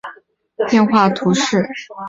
圣瓦利耶德蒂耶伊人口变化图示